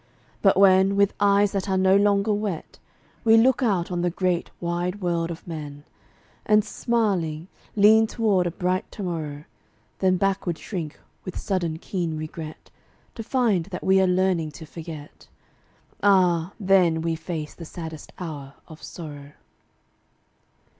But when, with eyes that are no longer wet, We look out on the great, wide world of men, And, smiling, lean toward a bright to morrow, Then backward shrink, with sudden keen regret, To find that we are learning to forget: Ah! then we face the saddest hour of sorrow.